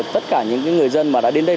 tất cả những người dân mà đã đến đây